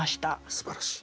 すばらしい。